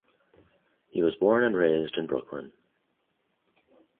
He was born and raised in Brooklyn.